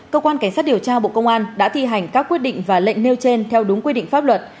cơ quan cảnh sát điều tra bộ công an đã thi hành các quyết định và lệnh nêu trên theo đúng quy định pháp luật